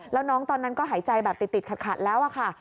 แล้วน้องตอนนั้นก็หายใจแบบติดขัดแล้วค่ะ